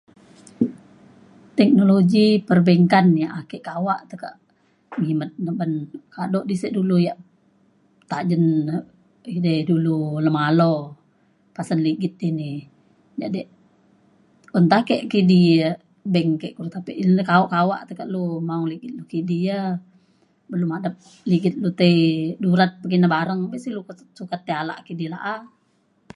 teknologi perbankan yek ake kawak teke' kimet oban kaduk disek dulu yak tajen idei dulu lemalo pasen ligit ini jadi enta aki kidi bank ik enta pik kawak kawak tekak lu maong ligit kidi ya belum ada ligit ilu tai durat pekina bareng kumin sik ilu sukat ketai alak kidi la'a.